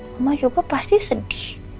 mama juga pasti sedih